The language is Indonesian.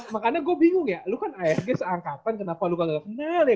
makanya gue bingung ya lu kan asg seangkapan kenapa lu nggak kenal ya